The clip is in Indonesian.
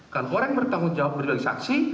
kalau orang bertanggung jawab berdiri sebagai saksi